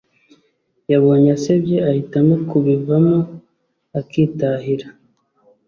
Yabonye asebye ahitamo kubivamo akitahira